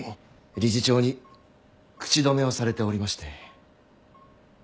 理事長に口止めをされておりまして。